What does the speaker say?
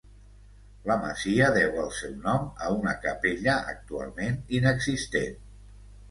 La masia deu el seu nom a una capella actualment inexistent.